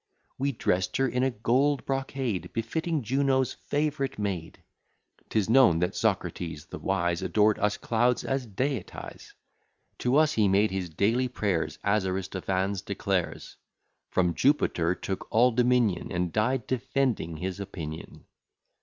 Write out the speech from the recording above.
We dress'd her in a gold brocade, Befitting Juno's favourite maid. 'Tis known that Socrates the wise Adored us clouds as deities: To us he made his daily prayers, As Aristophanes declares; From Jupiter took all dominion, And died defending his opinion.